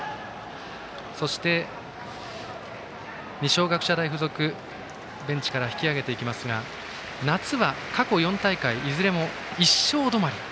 そして、二松学舎大付属ベンチから引き揚げていきますが夏は過去４大会いずれも１勝止まり。